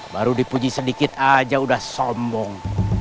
baru dipuji sedikit aja udah sombong